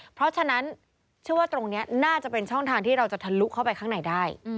เพราะฉะนั้นเชื่อว่าตรงนี้น่าจะเป็นช่องทางที่เราจะทะลุเข้าไปข้างในได้